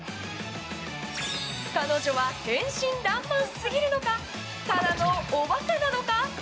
彼女は天真らんまんすぎるのかただのおバカなのか。